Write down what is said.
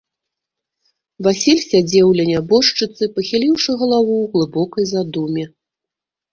Васіль сядзеў ля нябожчыцы, пахіліўшы галаву ў глыбокай задуме.